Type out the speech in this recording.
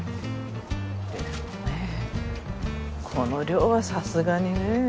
でもねぇこの量はさすがにね。